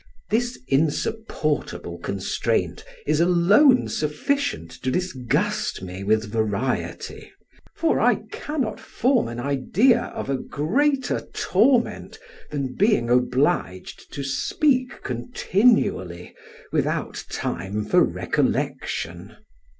This insupportable constraint is alone sufficient to disgust me with variety, for I cannot form an idea of a greater torment than being obliged to speak continually without time for recollection.